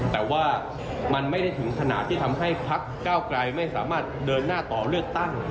แต่ว่ามันไม่ได้ถึงขนาดที่ทำให้พักเก้าไกลไม่สามารถเดินหน้าต่อเลือกตั้ง